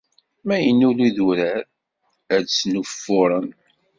Mi yennul idurar, ad snuffuṛen.